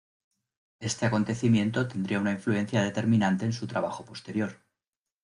Este acontecimiento tendría una influencia determinante en su trabajo posterior.